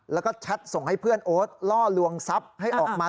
แล้วก็แชทส่งให้เพื่อนโอ๊ตล่อลวงทรัพย์ให้ออกมา